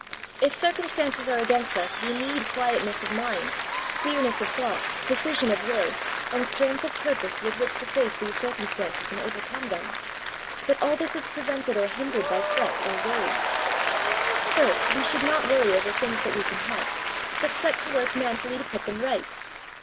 If circumstances are against us, we need quietness of mind, clearness of HOLINESS AND WORRY 73 thought, decision of will, and strength of purpose with which to face these circum stances and overcome them. But all this is prevented or hindered by fret or worry. First, we should not worry over things that we can help, but set to work manfully to put them right.